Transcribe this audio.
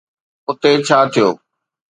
اتي ڇا ٿيو؟